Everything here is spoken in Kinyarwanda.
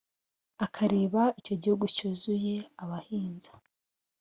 akareba icyo gihugu cyuzuye abahinza